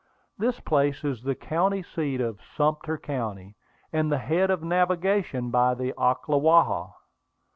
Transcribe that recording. This place is the county town of Sumter County, and the head of navigation by the Ocklawaha.